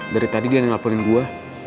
dari tadi dia nelfonin gue